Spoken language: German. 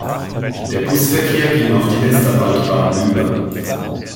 Der Busverkehr ging auf die Westerwaldbahn über.